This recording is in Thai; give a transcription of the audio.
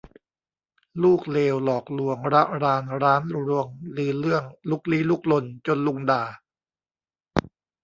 ลูกเลวหลอกลวงระรานร้านรวงลือเลื่องลุกลี้ลุกลนจนลุงด่า